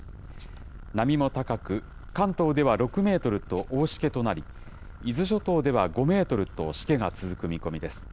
波も高く、関東では６メートルと、大しけとなり、伊豆諸島では５メートルとしけが続く見込みです。